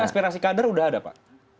aspirasi kader sudah ada pak